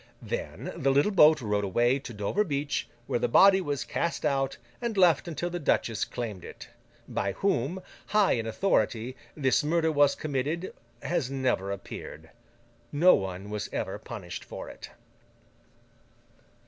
Then, the little boat rowed away to Dover beach, where the body was cast out, and left until the duchess claimed it. By whom, high in authority, this murder was committed, has never appeared. No one was ever punished for it.